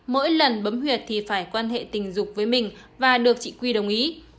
mỗi lần bấm huyệt thì phải quan hệ tình dục với mình và được chị quy đồng ý